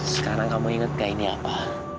sekarang kamu inget gak ini apa